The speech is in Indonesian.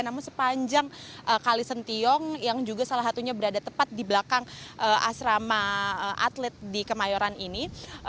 namun sepanjang kalisentiong yang juga salah satunya berada tepat di belakang asrama atlet di kemayoran ini